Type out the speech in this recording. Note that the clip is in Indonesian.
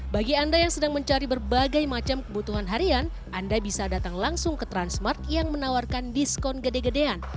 bagi anda yang sedang mencari berbagai macam kebutuhan harian anda bisa datang langsung ke transmart yang menawarkan diskon gede gedean